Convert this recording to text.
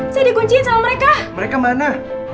saya dikunci sama mereka mereka mana